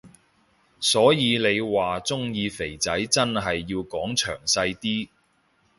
所以你話鍾意肥仔真係要講詳細啲